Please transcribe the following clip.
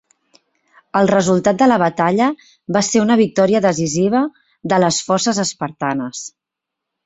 El resultat de la batalla va ser una victòria decisiva de les forces espartanes.